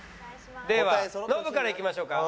ではノブからいきましょうか。